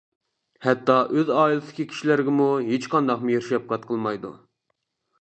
ھەتتا ئۆز ئائىلىسىدىكى كىشىلىرىگىمۇ ھېچقانداق مېھىر-شەپقەت قىلمايدۇ.